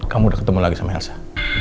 kamu udah ketemu lagi sama elsa